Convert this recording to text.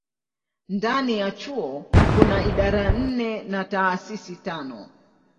Ndani ya chuo kuna idara nne na taasisi tano.